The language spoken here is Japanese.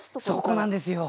そこなんですよ